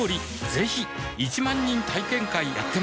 ぜひ１万人体験会やってます